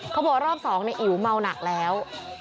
เขาบอกรอบ๒ในอิ๋วเมาหนักแล้ว